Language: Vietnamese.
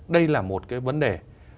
đây là một cái vấn đề